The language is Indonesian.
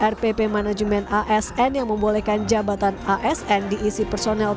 rpp manajemen asn yang membolehkan jabatan asn diisi personel